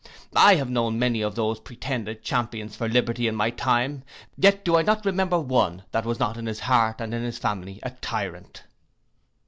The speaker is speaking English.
I have known many of those pretended champions for liberty in my time, yet do I not remember one that was not in his heart and in his family a tyrant.